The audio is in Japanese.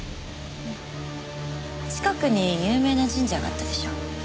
近くに有名な神社があったでしょ。